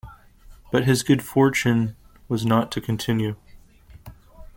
But his good fortune was not to continue.